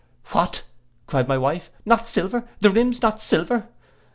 '—'What,' cried my wife, 'not silver, the rims not silver!